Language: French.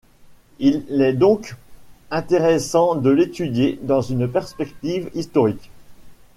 Il est donc intéressant de l’étudier dans une perspective historique.